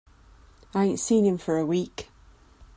I ain't seen him for a week.